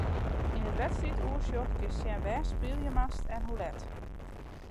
Yn it wedstriidoersjoch kinst sjen wêr'tst spylje moatst en hoe let.